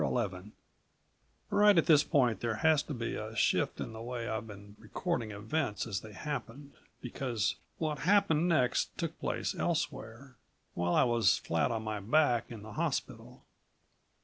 11 Right at this point there has to be a shift in the way I've been recording events as they happened, because what happened next took place elsewhere, while I was flat on my back in the hospital.